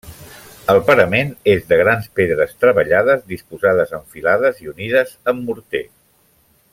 El parament és de grans pedres treballades disposades en filades i unides amb morter.